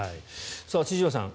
千々岩さん